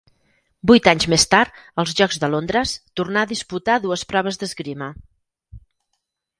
Vuit anys més tard, als Jocs de Londres, tornà a disputar dues proves d'esgrima.